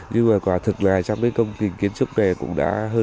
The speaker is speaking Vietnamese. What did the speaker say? nhưng mà quả thực là trong cái công kinh kiến trúc này cũng đã hơn một trăm linh